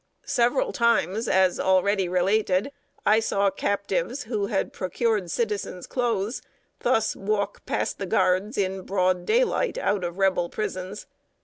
Several times, as already related, I saw captives, who had procured citizens' clothes, thus walk past the guards in broad daylight, out of Rebel prisons.